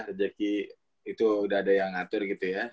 rejeki itu udah ada yang ngatur gitu ya